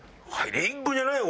リンゴじゃないよ！